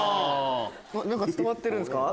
何か伝わってるんすか？